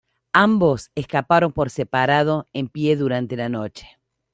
Ambos escaparon por separado en pie durante la noche.